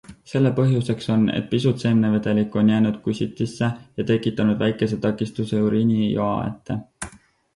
Selle põhjuseks on, et pisut seemnevedelikku on jäänud kusitisse ja tekitanud väikese takistuse uriinijoa ette.